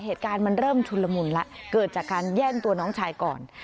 เหตุการณ์มันเริ่มชุนละมุนแล้วเกิดจากการแย่งตัวน้องชายก่อน